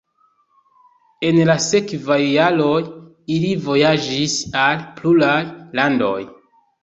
En la sekvaj jaroj ili vojaĝis al pluraj landoj.